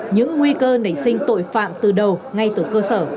những nguy cơ nảy sinh tội phạm từ đầu ngay từ cơ sở